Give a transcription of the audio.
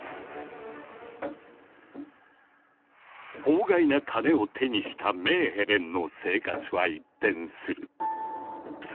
法外な金を手にしたメーヘレンの生活は一変する。